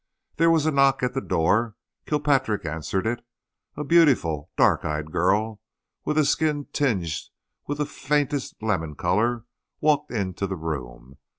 There was a knock at the door. Kilpatrick answered it. A beautiful, dark eyed girl with a skin tinged with the faintest lemon colour walked into the room.